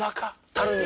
たるみ。